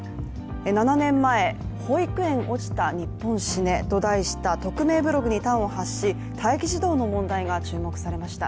７年前、保育園落ちた、日本死ねと題した匿名ブログに端を発し、待機児童の問題が注目されました。